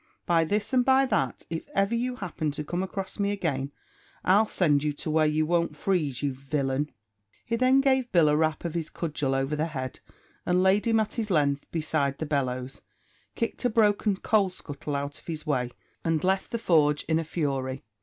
By this and by that, if ever you happen to come across me again, I'll send you to where you won't freeze, you villain!" He then gave Bill a rap of his cudgel over the head, and laid him at his length beside the bellows, kicked a broken coal scuttle out of his way, and left the forge in a fury.